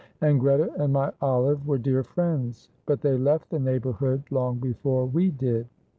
And Greta and my Olive were dear friends, but they left the neighbourhood long before we did.